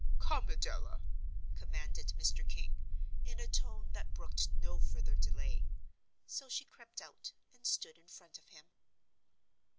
"Come, Adela," commanded Mr. King, in a tone that brooked no further delay. So she crept out, and stood in front of him.